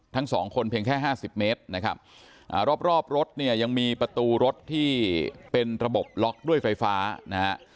ทั้งสองคนเพียงแค่ห้าสิบเมตรนะครับรอบรอบรถเนี่ยยังมีประตูรถที่เป็นระบบล็อกด้วยไฟฟ้านะฮะ